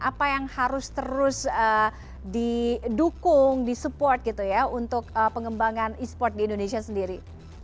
apa yang harus terus didukung disupport gitu ya untuk pengembangan e sport di indonesia sendiri